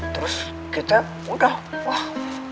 terus kita udah wah